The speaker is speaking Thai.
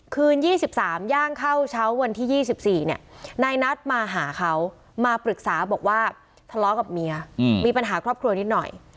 คืน๒๓ย่างเข้าเช้าวันที่๒๔เนี่ยนายนัทมาหาเขามาปรึกษาบอกว่าทะเลาะกับเมียมีปัญหาครอบครัวนิดหน่อย